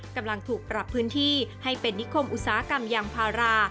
กำลังถูกปรับพื้นที่ให้เป็นนิคมอุตสาหกรรมยางพารา